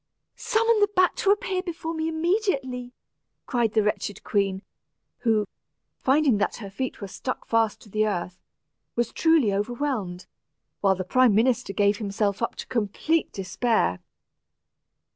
"Summon this bat to appear before me immediately," cried the wretched queen, who, finding that her feet were stuck fast to the earth, was truly overwhelmed, while the prime minister gave himself up to complete despair.